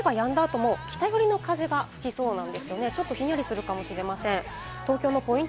雨がやんだ後も、北よりの風が吹きそうなんですよね、ちょっとひんやりするかもしれません。